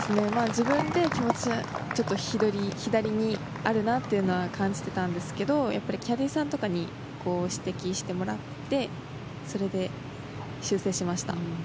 自分で、気持ちちょっと左にあるなというのは感じてたんですがキャディーさんとかに指摘してもらってそれで修正しました。